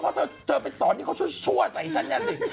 ก๊อตเจอไปสอนตัวเขาชั่วใส่ฉันอย่างนี้